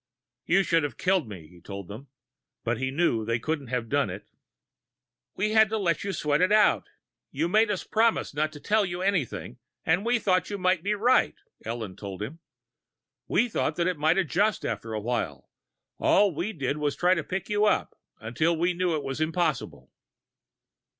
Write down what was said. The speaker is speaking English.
"You should have killed me," he told them. But he knew that they couldn't have done it. "We had to let you sweat it out. You made us promise not to tell you anything, and we thought you might be right," Ellen told him. "We thought that it might adjust after awhile. All we did was to try to pick you up, until we knew it was impossible."